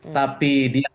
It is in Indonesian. tapi dia tampil